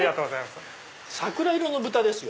桜色の豚ですよ。